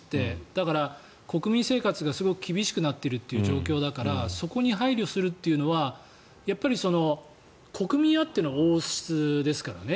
だから国民生活がすごく厳しくなっているという状況だからそこに配慮するっていうのは国民あっての王室ですからね。